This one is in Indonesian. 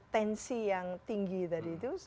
tensi yang tinggi tadi itu